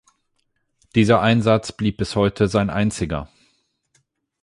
Dieser Einsatz blieb bis heute sein einziger.